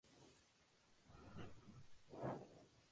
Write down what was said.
Actualmente hay una posada turística.